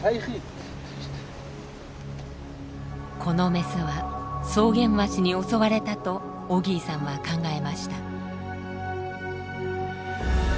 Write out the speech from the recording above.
このメスはソウゲンワシに襲われたとオギーさんは考えました。